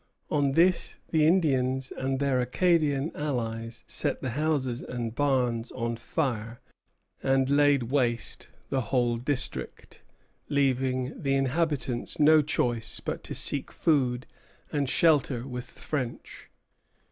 On this the Indians and their Acadian allies set the houses and barns on fire, and laid waste the whole district, leaving the inhabitants no choice but to seek food and shelter with the French.